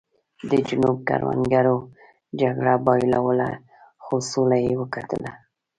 د جنوب کروندګرو جګړه بایلوله خو سوله یې وګټله.